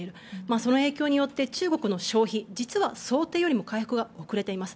その影響によって中国の消費実は想定よりも回復が遅れています。